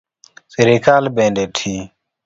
Sirkal bende ti